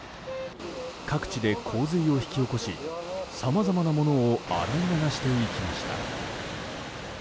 各地で洪水を引き起こしさまざまなものを洗い流していきました。